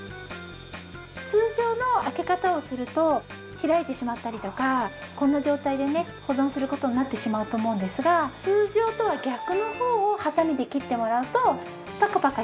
通常の開け方をすると開いてしまったりとかこんな状態でね保存する事になってしまうと思うんですが通常とは逆の方をハサミで切ってもらうとパカパカ開いたりしないです。